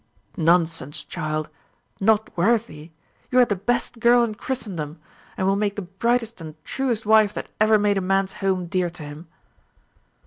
"Nonsense, child; not worthy! You are the best girl in Christendom, and will make the brightest and truest wife that ever made a man's home dear to him."